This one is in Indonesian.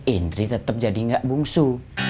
indri tetep jadi gak bungsu